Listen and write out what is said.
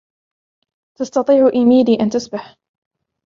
تستطيع إيميلي أن تسبح.